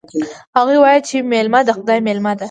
هغوی وایي چې میلمه د خدای مېلمه ده